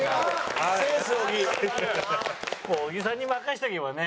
もう小木さんに任せとけばね。